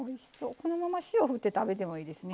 このまま塩振って食べてもいいですね。